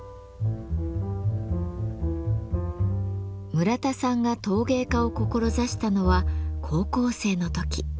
村田さんが陶芸家を志したのは高校生の時。